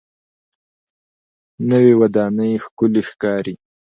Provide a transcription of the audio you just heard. نوې ودانۍ ښکلې ښکاري